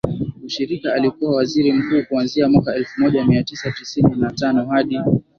Ushirika Alikuwa Waziri Mkuu kuanzia mwaka elfu moja mia tisa tisini na tano hadi